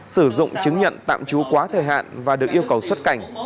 sử dụng chứng nhận tạm trú quá thời hạn và được yêu cầu xuất cảnh